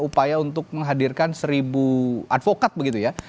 upaya untuk menghadirkan seribu advokat begitu ya